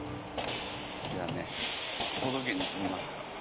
じゃあね届けに行ってきますから。